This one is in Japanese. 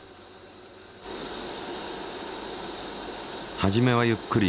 初めはゆっくり。